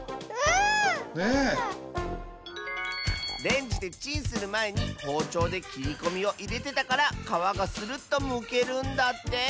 レンジでチンするまえにほうちょうできりこみをいれてたからかわがスルッとむけるんだって。